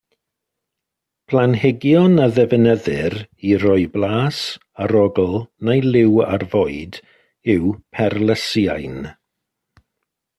Planhigion a ddefnyddir i roi blas, arogl neu liw ar fwyd yw perlysieuyn.